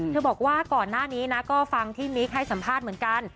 บอกว่าก่อนหน้านี้นะก็ฟังที่มิ๊กให้สัมภาษณ์เหมือนกัน